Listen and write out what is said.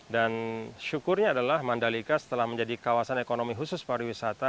dan syukurnya adalah mandalika setelah menjadi kawasan ekonomi khusus para wisata